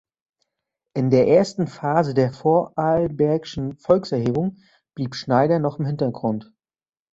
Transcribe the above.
In der ersten Phase der Vorarlbergischen Volkserhebung blieb Schneider noch im Hintergrund.